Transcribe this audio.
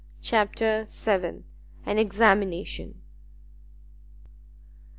CHAPTER vii AN EXAMINATION.